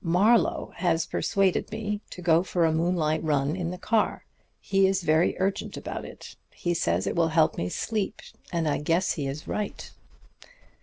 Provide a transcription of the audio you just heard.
Marlowe has persuaded me to go for a moonlight run in the car. He is very urgent about it. He says it will help me to sleep, and I guess he is right.'